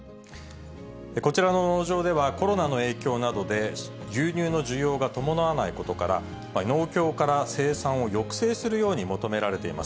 こちらの農場では、コロナの影響などで、牛乳の需要が伴わないことから、農協から生産を抑制するように求められています。